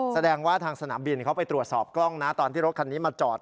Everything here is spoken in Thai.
แสดงว่าทางสนามบินเขาไปตรวจสอบกล้องนะตอนที่รถคันนี้มาจอด